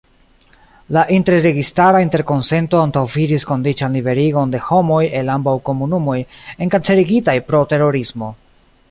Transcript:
La interregistara interkonsento antaŭvidis kondiĉan liberigon de homoj el ambaŭ komunumoj enkarcerigitaj pro terorismo.